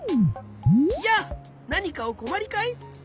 やあなにかおこまりかい？